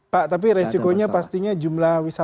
pak tapi resikonya pastinya jumlah wisatawan